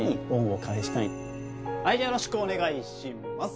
はいじゃあよろしくお願いします。